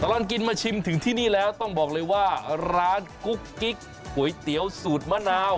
อร่อยจริงเผ็ดมากไหม